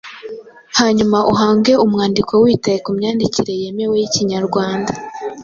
hanyuma uhange umwandiko witaye ku myandikireyemewey’Ikinyarwanda.